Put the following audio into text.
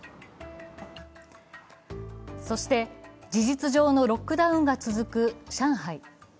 そして事実上のロックダウンが続く上海。